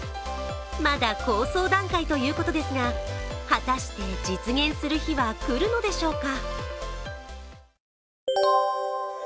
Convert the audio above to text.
まだ構想段階ということですが果たして、実現する日は来るのでしょうか。